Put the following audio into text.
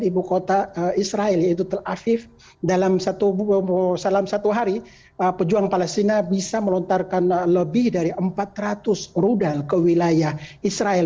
ibu kota israel yaitu tel aviv dalam satu hari pejuang palestina bisa melontarkan lebih dari empat ratus rudal ke wilayah israel